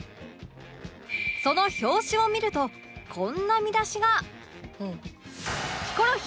その表紙を見るとこんな見出しが